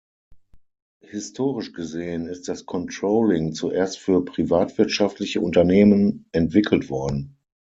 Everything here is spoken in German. Historisch gesehen ist das Controlling zuerst für privatwirtschaftliche Unternehmen entwickelt worden.